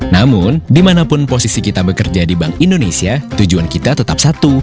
namun dimanapun posisi kita bekerja di bank indonesia tujuan kita tetap satu